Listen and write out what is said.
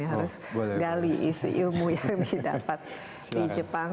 harus gali isu ilmu yang didapat di jepang